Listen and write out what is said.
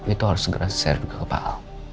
itu harus segera saya beritahu ke pak al